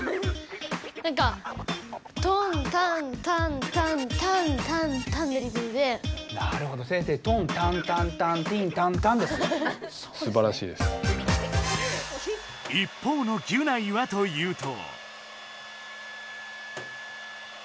なんか一方のギュナイはというと。